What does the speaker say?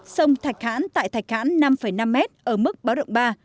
sông thạch hãn tại thạch hãn năm năm m ở mức báo động ba